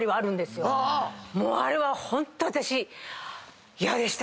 あれはホント私。